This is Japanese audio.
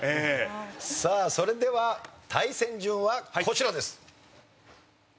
さあそれでは対戦順はこちらです。